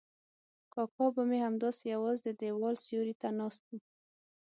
کاکا به مې همداسې یوازې د دیوال سیوري ته ناست و.